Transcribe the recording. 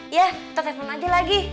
iya kita telepon aja lagi